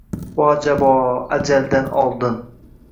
Voajabo, ajaldan oldin